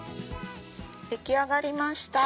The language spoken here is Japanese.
出来上がりました。